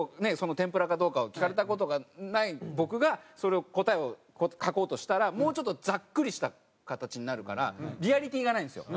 天ぷらかどうかを聞かれた事がない僕がそれを答えを書こうとしたらもうちょっとざっくりした形になるからリアリティーがないんですよ。